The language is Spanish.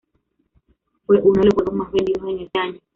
Fue uno de los juegos más vendidos en ese año.